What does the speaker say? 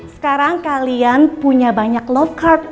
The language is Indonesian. sekarang kalian punya banyak love card